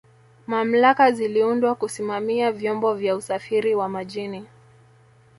mamlaka ziliundwa Kusimamia vyombo vya usafiri wa majini